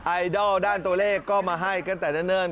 ไอดอลด้านตัวเลขก็มาให้กันแต่เนิ่น